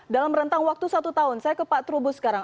dalam rentang waktu satu tahun saya ke pak trubus sekarang